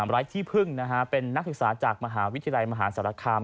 ไร้ที่พึ่งเป็นนักศึกษาจากมหาวิทยาลัยมหาศาลคาม